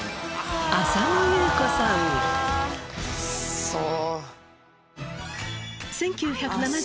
そう。